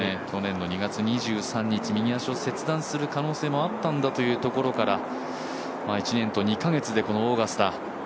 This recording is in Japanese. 去年の２月２３日右足を切断する可能性があったんだというところから１年と２カ月で、このオーガスタ。